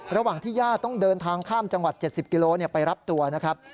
ระหว่างที่ญาติต้องเดินทางข้ามจังหวัด๗๐กิโลไปรับตัวนะครับ